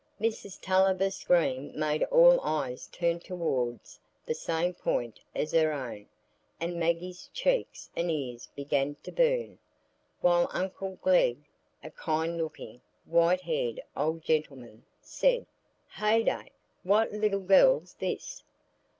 Mrs Tulliver's scream made all eyes turn towards the same point as her own, and Maggie's cheeks and ears began to burn, while uncle Glegg, a kind looking, white haired old gentleman, said,— "Heyday! what little gell's this?